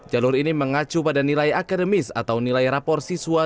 jalur ini mengacu pada nilai akademis atau nilai rapor siswa